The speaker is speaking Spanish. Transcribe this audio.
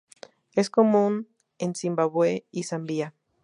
Es común en Zimbabue y Zambia.